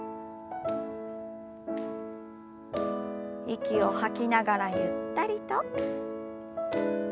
息を吐きながらゆったりと。